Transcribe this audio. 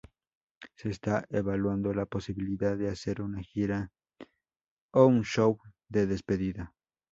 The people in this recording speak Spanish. Se está evaluando la posibilidad de hacer una gira o un show de despedida.